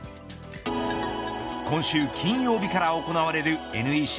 今週金曜日から行われるＮＥＣ